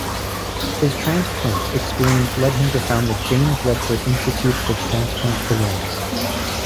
His transplant experience led him to found the James Redford Institute for Transplant Awareness.